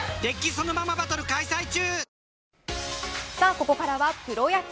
ここからはプロ野球。